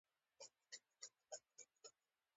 په بوی نه وو خو چې مسخد هم کوټه توده کړي.